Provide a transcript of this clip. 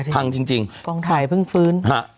พังจริงกองถ่ายเพิ่งฟื้นฮะ